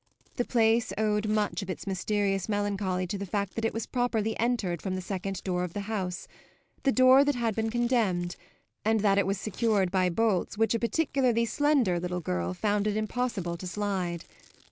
The place owed much of its mysterious melancholy to the fact that it was properly entered from the second door of the house, the door that had been condemned, and that it was secured by bolts which a particularly slender little girl found it impossible to slide.